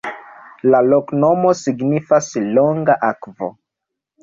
La loknomo signifas: longa-akvo.